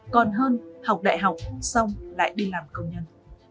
còn hơn học đại học xong lại đi làm công nhân